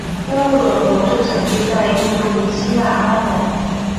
该物种的模式产地在印度尼西亚安汶。